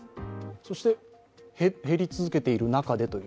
そして減り続けている中でという。